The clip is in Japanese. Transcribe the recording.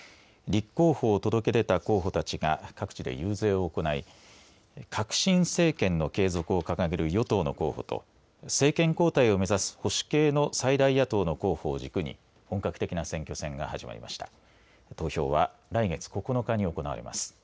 立候補を届け出た候補たちが、各地で遊説を行い、革新政権の継続を掲げる与党の候補と、政権交代を目指す保守系の最大野党の候補を軸に、本格的な選挙戦が始まりました。